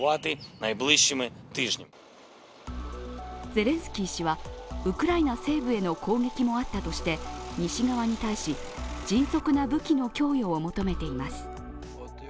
ゼレンスキー氏はウクライナ西部への攻撃もあったとして西側に対し、迅速な武器の供与を求めています。